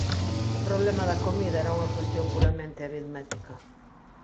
O problema da comida era unha cuestión puramente aritmética.